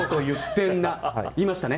言いましたね。